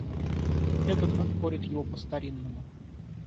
Этот отпорет его по старинному.